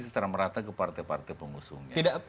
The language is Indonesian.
secara merata ke partai partai pengusungnya